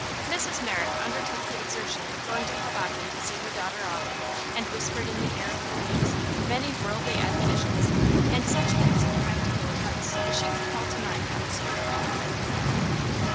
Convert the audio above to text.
Mrs. Merrick undertook the exertion of going to Hoboken to see her daughter off, and whispered in the ear of Louise many worldly admonitions and such bits of practical advice as she could call to mind on the spur of the moment.